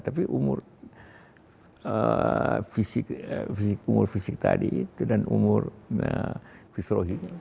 tapi umur fisik umur fisik tadi itu dan umur fishrohi